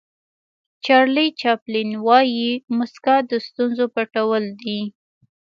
چارلي چاپلین وایي موسکا د ستونزو پټول دي.